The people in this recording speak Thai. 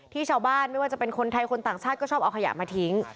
ชาวบ้านไม่ว่าจะเป็นคนไทยคนต่างชาติก็ชอบเอาขยะมาทิ้ง